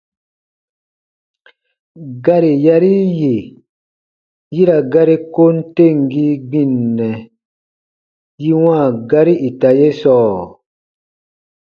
Gari yari yì yi ra gari kom temgii gbinnɛ yi wãa gari ita ye sɔɔ?